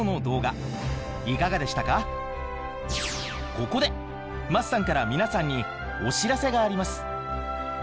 ここで桝さんから皆さんにお知らせがあります。